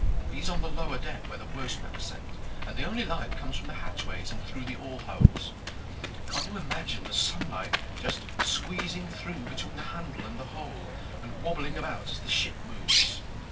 He's on the lower deck where the worst men are sent, and the only light comes from the hatchways and through the oar holes. Can't you imagine the sunlight just squeezing through between the handle and the hole and wobbling about as the ship moves?"